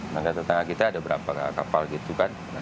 negara tetangga kita ada berapa kapal gitu kan